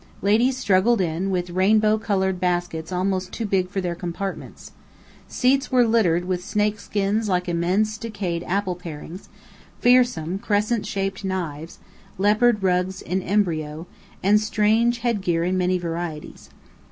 Ladies struggled in, with rainbow coloured baskets almost too big for their compartments. Seats were littered with snake skins like immense, decayed apple parings; fearsome, crescent shaped knives; leopard rugs in embryo; and strange headgear in many varieties.